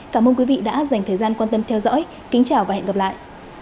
cảm ơn quý vị đã dành thời gian quan tâm theo dõi kính chào và hẹn gặp lại